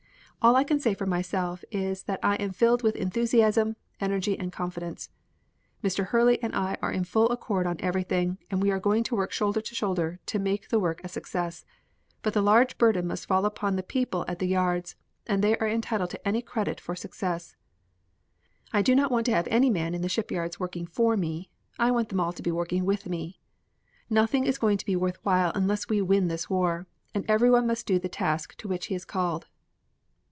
All I can say for myself is that I am filled with enthusiasm, energy and confidence. Mr. Hurley and I are in full accord on everything, and we are going to work shoulder to shoulder to make the work a success, but the large burden must fall upon the people at the yards, and they are entitled to any credit for success. I do not want to have any man in the shipyards working for me. I want them all working with me. Nothing is going to be worth while unless we win this war, and everyone must do the task to which he is called."